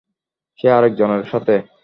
সে আরেক জনের সাথে।